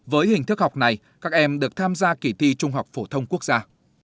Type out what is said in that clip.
với hình thức học này các em được tham gia kỳ thi trung học phổ thông quốc gia